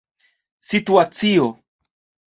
situacio